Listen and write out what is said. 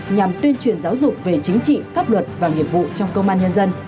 nhằm tuyên truyền giáo dục về chính trị pháp luật và nghiệp vụ trong công an nhân dân